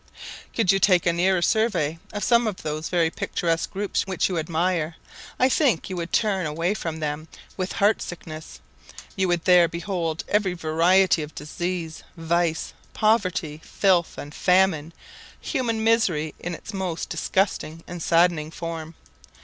Could you take a nearer survey of some of those very picturesque groups which you admire, I think you would turn away from them with heart sickness; you would there behold every variety of disease, vice, poverty, filth, and famine human misery in its most disgusting and saddening form.